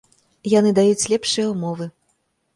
Яны даюць лепшыя ўмовы.